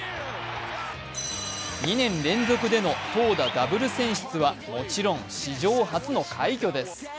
２年連続での投打ダブル選出はもちろん史上初の快挙です。